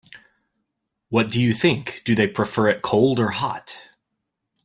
What do you think, do they prefer it cold or hot?